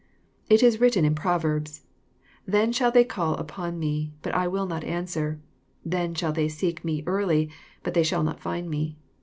It is written in Proverbs, —" Then shall they call upon me, but I will not answer ; they shall seek me early, but they fihall not find me."